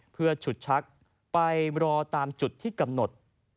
เพื่อฉุดชักไปรอตามจุดที่กำหนด